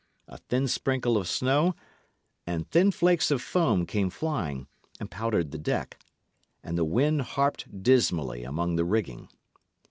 A thin sprinkle of snow and thin flakes of foam came flying, and powdered the deck; and the wind harped dismally among the rigging.